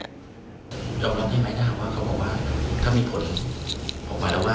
ยอมรับได้ไหมนะครับว่าเขาบอกว่า